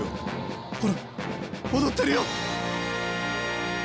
ほら踊ってるよ！